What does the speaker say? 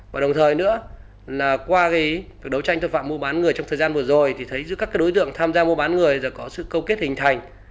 và đồng thời nữa qua đấu tranh thủ phạm mua bán người trong thời gian vừa rồi thì thấy giữa các đối tượng tham gia mua bán người có sự câu kết hình thành